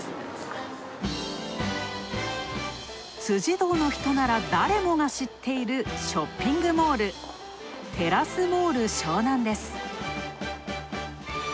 辻堂の人なら誰もが知っているショッピングモール、テラスモール湘南です。